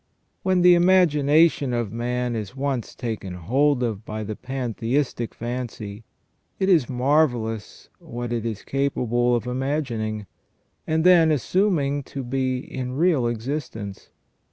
When the imagination of man is once taken hold of by the Pantheistic fancy, it is marvellous what it is capable oi imagining, and then assuming to be in real existence.